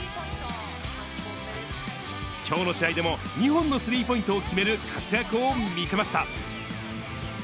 きょうの試合でも２本のスリーポイントを決める活躍を見せました。